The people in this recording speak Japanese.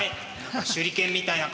手裏剣みたいな感じで。